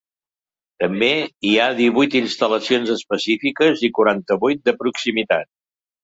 També hi ha divuit instal·lacions específiques i quaranta-vuit de proximitat.